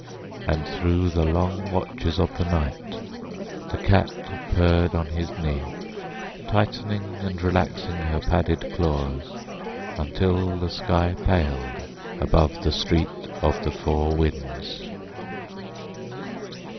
And through the long watches of the night the cat purred on his knee, tightening and relaxing her padded claws, until the sky paled above the Street of the Four Winds.